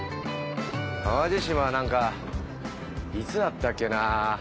淡路島は何かいつだったっけなぁ。